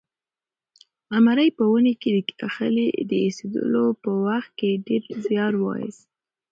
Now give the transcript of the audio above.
قمرۍ په ونې کې د خلي د اېښودلو په وخت کې ډېر زیار وایست.